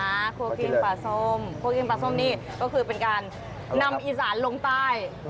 ครัวกินปลาส้มครัวกินปลาส้มนี่ก็คือเป็นการนำอีสานลงใต้